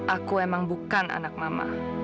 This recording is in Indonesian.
aku emang bukan anak mama